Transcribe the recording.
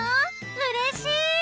うれしい！